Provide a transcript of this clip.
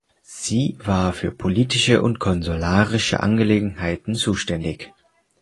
Sie war für politische und konsularische Angelegenheiten zuständig.